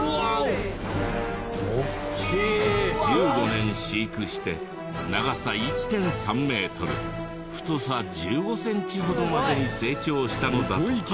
１５年飼育して長さ１．３メートル太さ１５センチほどまでに成長したのだった。